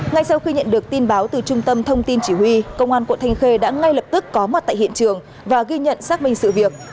ngay sau khi nhận được tin báo từ trung tâm thông tin chỉ huy công an quận thanh khê đã ngay lập tức có mặt tại hiện trường và ghi nhận xác minh sự việc